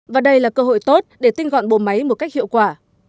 và đây là cơ hội tốt để tinh gọn bộ máy một cách hiệu quả